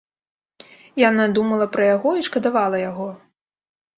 Яна думала пра яго і шкадавала яго.